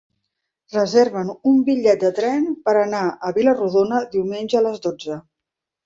Reserva'm un bitllet de tren per anar a Vila-rodona diumenge a les dotze.